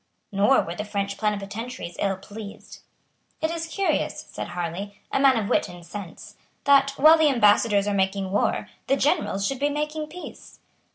Nor were the French plenipotentiaries ill pleased. "It is curious," said Harlay, a man of wit and sense, "that, while the Ambassadors are making war, the generals should be making peace."